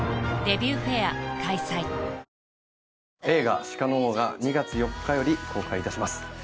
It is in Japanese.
映画『鹿の王』が２月４日より公開いたします。